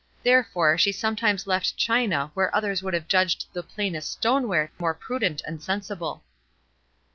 Therefore, she sometimes left china where others would have judged the plainest stoneware more prudent and sensible.